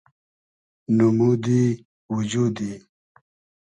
نومودی وجودی